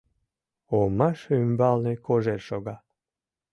Омаш ӱмбалне кожер шога.